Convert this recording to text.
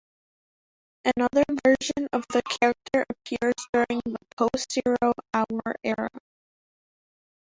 Another version of the character appears during the Post-Zero Hour era.